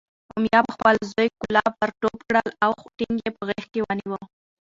امیه پخپل زوی کلاب ورټوپ کړل او ټینګ یې په غېږ کې ونیو.